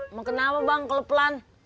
emang kenapa bang keleplan